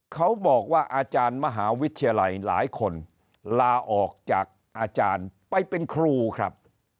เขาบอกว่าอาจารย์มหาวิทยาลัยหลายคนลาออกจากอาจารย์ไปเป็นครูครับ